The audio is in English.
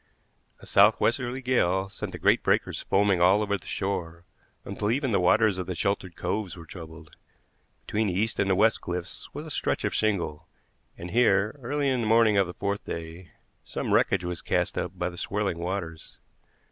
A southwesterly gale sent the great breakers foaming all along the shore, until even the waters of the sheltered coves were troubled. Between the east and the west cliffs was a stretch of shingle, and here, early in the morning of the fourth day, some wreckage was cast up by the swirling waters.